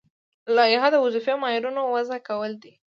لایحه د وظیفوي معیارونو وضع کول دي.